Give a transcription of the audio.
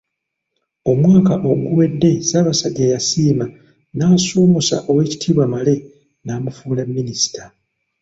Omwaka oguwedde Ssaabasajja y'asiima n'asuumuusa Oweekitiibwa Male n'amufuula Minisita.